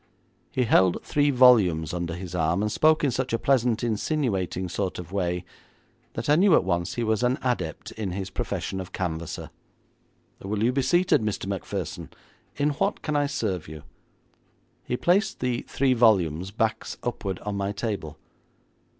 He held three volumes under his arm, and spoke in such a pleasant, insinuating sort of way, that I knew at once he was an adept in his profession of canvasser. 'Will you be seated, Mr. Macpherson? In what can I serve you?' He placed the three volumes, backs upward, on my table.